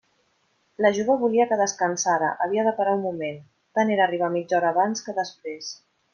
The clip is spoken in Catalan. La jove volia que descansara, havia de parar un moment; tant era arribar mitja hora abans que després.